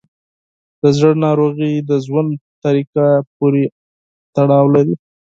د زړه ناروغۍ د ژوند طریقه پورې تړاو لري.